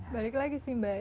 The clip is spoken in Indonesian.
balik lagi sih mbak